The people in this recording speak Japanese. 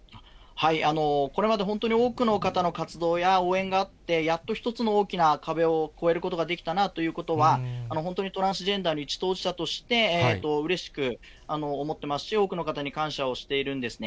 これまで本当に多くの方の活動や応援があって、やっと一つの大きな壁を越えることができたなということは、本当にトランスジェンダーの一当事者として、うれしく思ってますし、多くの方に感謝をしているんですね。